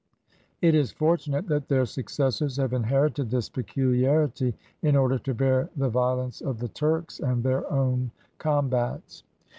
It is fortunate that their successors have inherited this peculiarity, in order to bear the violence of the Turks, and their own combats.